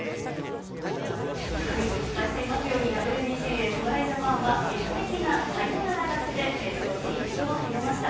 お伝えしていますように、ＷＢＣ、侍ジャパンは劇的なサヨナラ勝ちで決勝進出を決めました。